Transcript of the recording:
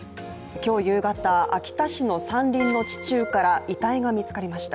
今日夕方、秋田市の山林の地中から遺体が見つかりました。